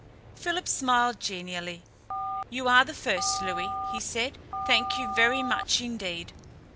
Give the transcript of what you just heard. Philip smiled genially. "You are the first, Louis," he said. "Thank you very much indeed."